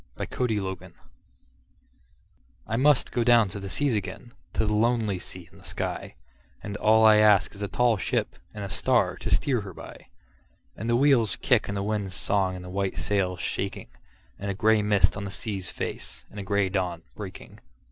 Y Z Sea Fever I MUST down to the seas again, to the lonely sea and the sky, And all I ask is a tall ship and a star to steer her by, And the wheel's kick and the wind's song and the white sail's shaking, And a gray mist on the sea's face, and a gray dawn breaking.